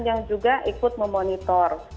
yang juga ikut memonitor